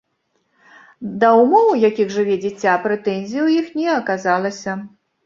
Да ўмоў, у якіх жыве дзіця, прэтэнзій у іх не аказалася.